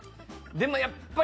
でもやっぱり。